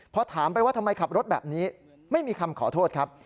พอถามไปว่าทำไมขับรถแบบนี้ไม่มีคำขอโทษครับ